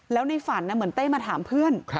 แล้วในฝันเหมือนเต้มาถามเพื่อน